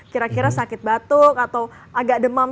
kira kira sakit batuk atau agak demam